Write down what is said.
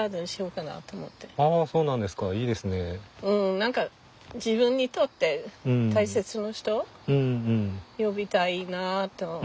何か自分にとって大切な人呼びたいなと。